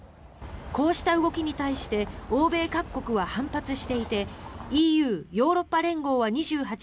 こうした動きに対して欧米各国は反発していてＥＵ・ヨーロッパ連合は２８日